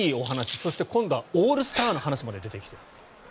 そして、今度はオールスターの話まで出てきている。